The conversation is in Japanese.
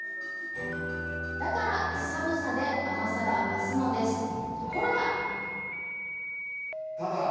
だから寒さで甘さが増すのです！